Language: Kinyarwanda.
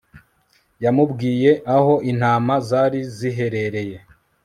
yamubwiyeaho intama zari ziherereye